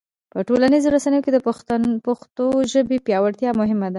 په ټولنیزو رسنیو کې د پښتو ژبې پیاوړتیا مهمه ده.